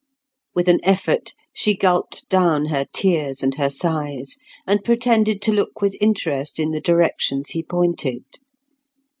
With an effort she gulped down her tears and her sighs, and pretended to look with interest in the directions he pointed.